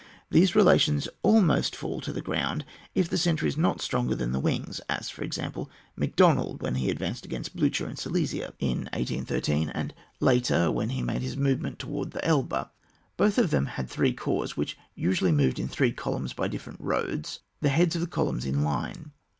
These relations almost fall to the ground if the centre is not stronger than the wings, as, for example, Macdonald when he advanced against Bliicher, in Silesia, in 24 ON WAR. [book v. 1813, and the latter, wlien he made his moyement towards the Elbe. Both of thorn had three corps, which usually moved in three columns by different roads, the heads of the columns in line.